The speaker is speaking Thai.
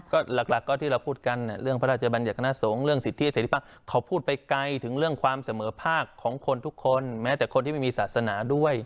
ก็หลักก็ที่เราพูดกันเรื่องพระราชบัญญัคณะสงฆ์เรื่องสิทธิเสร็จภาพเขาพูดไปไกลถึงเรื่องความเสมอภาคของคนทุกคนแม้แต่คนที่ไม่มีศาสนาด้วย